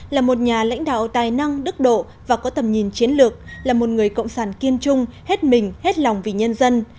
là một nhà lãnh đạo tài năng đức độ và có tầm nhìn chiến lược là một người cộng sản kiên trung hết mình hết lòng vì nhân dân